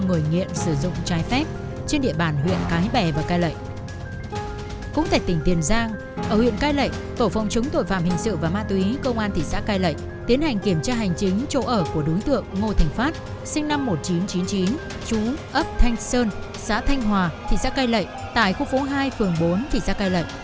ở huyện cai lệ tổ phòng chứng tội phạm hình sự và ma túy công an thị xã cai lệ tiến hành kiểm tra hành chính chỗ ở của đối tượng ngô thành phát sinh năm một nghìn chín trăm chín mươi chín chú ấp thanh sơn xã thanh hòa thị xã cai lệ tại khu phố hai phường bốn thị xã cai lệ